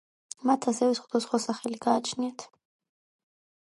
მათ ასევე სხვადასხვა სახელი გააჩნიათ.